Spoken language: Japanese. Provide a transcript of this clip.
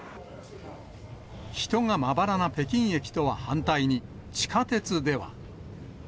人がまばらな北京駅とは反対に、地下鉄では。